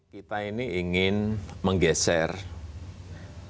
kita ini ingin menggeserkan